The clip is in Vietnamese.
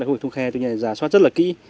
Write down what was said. điều này giả soát rất là kỹ